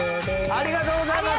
ありがとうございます！